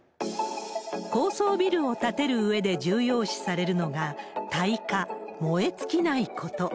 高層ビルを建てるうえで重要視されるのが耐火、燃え尽きないこと。